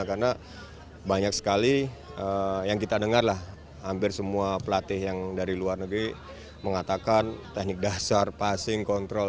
karena banyak sekali yang kita dengar lah hampir semua pelatih yang dari luar negeri mengatakan teknik dasar passing kontrol